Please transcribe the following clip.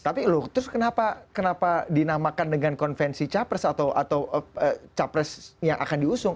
tapi loh terus kenapa dinamakan dengan konvensi capres atau capres yang akan diusung